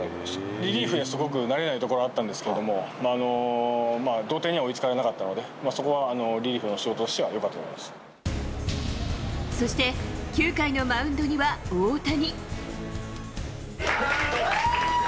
リリーフですごく慣れないところもあったんですけど、同点には追いつかれなかったので、そこはリリーフの仕事としてはよかったとそして、９回のマウンドには大谷。